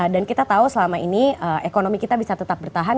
dan kita tahu selama ini ekonomi kita bisa tetap bertahan